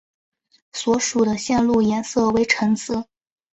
所属的线路颜色为橙色。